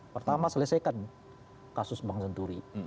pertama selesaikan kasus bank senturi